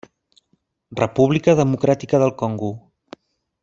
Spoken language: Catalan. República Democràtica del Congo.